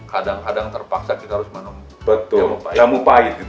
kadang kadang terpaksa kita harus menemukan jamu pahit